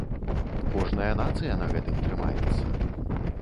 Кожная нацыя на гэтым трымаецца.